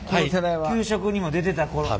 給食にも出てた頃でね。